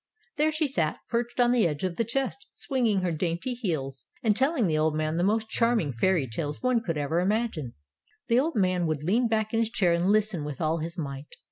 There she sat, perched on the edge of the chest, swinging her dainty heels, and telling the old man the most charming fairy tales one could ever imagine. The old man would lean back in his chair and listen with all his might.